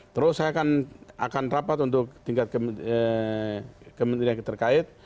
terus saya akan rapat untuk tingkat kementerian terkait